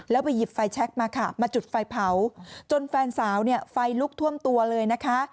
แล้วไปหยิบไฟแชคมาค่ะมาจุดไฟเผาจนแฟนสาวเนี่ยไฟลุกท่วมตัวเลยนะคะ